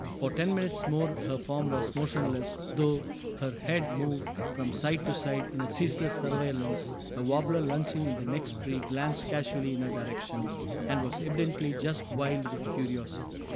For ten minutes more her form was motionless though her head moved from side to side in a ceaseless surveillance a warbler lunching in the next tree glanced casually in her direction, and was evidently just wild with curiosity.